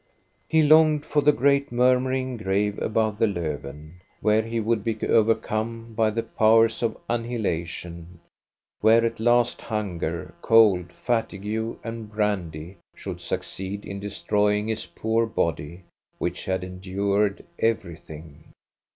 He longed for the great murmuring grave above the Lofven, where he would be overcome by the powers^ of annihilation, where at last hunger, cold, fatigue, and brandy should succeed in destroying his poor body, which had endured everything.